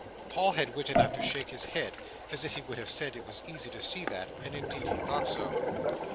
Paul had wit enough to shake his head, as if he would have said it was easy to see that; and indeed he thought so.